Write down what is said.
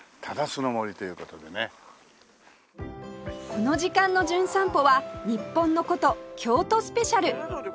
この時間の『じゅん散歩』は日本の古都京都スペシャル